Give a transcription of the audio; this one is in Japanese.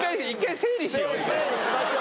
整理しましょう。